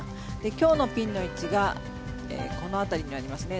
今日のピンの位置がこの辺りにありますね。